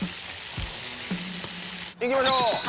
行きましょう！